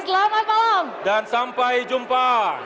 selamat malam dan sampai jumpa